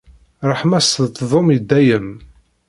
Ṛṛeḥma-s tettdum i dayem!